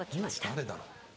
誰だろう？